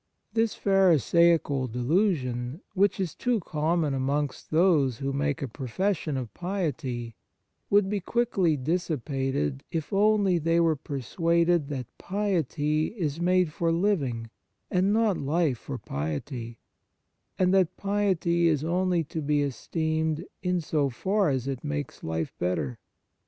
This pharisaical delusion, which is too common amongst those who make a profession of piety, would be quickly dissipated, if only they were persuaded that piety is made for living and not life for piety, and that piety is only to be esteemed in so far as it makes life better.